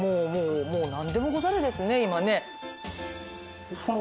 もうなんでもござれですね今ね。